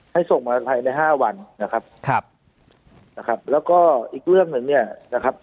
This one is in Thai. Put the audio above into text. ส่งมาภายในห้าวันนะครับครับนะครับแล้วก็อีกเรื่องหนึ่งเนี่ยนะครับ